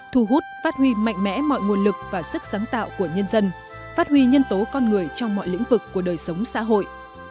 thu hút phát huy mạnh mẽ mọi nguồn lực và sức sáng tạo của nhân dân phát huy nhân tố con người trong mọi lĩnh vực của đời sống xã hội